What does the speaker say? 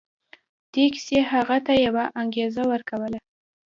دې کيسې هغه ته يوه انګېزه ورکوله.